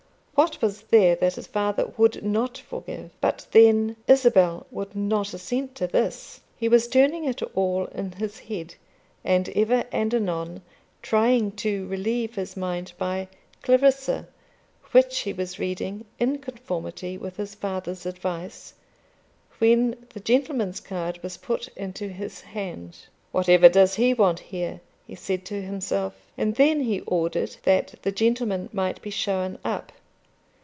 What was there that his father would not forgive? But then Isabel would not assent to this. He was turning it all in his head and ever and anon trying to relieve his mind by "Clarissa," which he was reading in conformity with his father's advice, when the gentleman's card was put into his hand. "Whatever does he want here?" he said to himself; and then he ordered that the gentleman might be shown up.